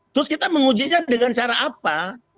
terus kita mengujinya dengan cara apa